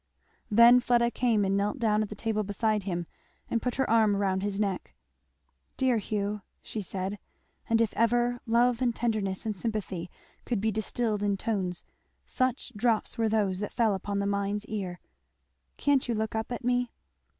Then Fleda came and knelt down at the table beside him, and put her arm round his neck. "Dear Hugh," she said and if ever love and tenderness and sympathy could be distilled in tones, such drops were those that fell upon the mind's ear, "can't you look up at me?"